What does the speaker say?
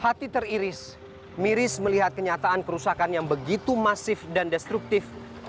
hati teriris miris melihat kenyataan kerusakan yang begitu masif dan destruktif